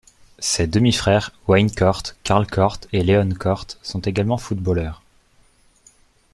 Ses demi-frères Wayne Cort, Carl Cort et Leon Cort sont également footballeurs.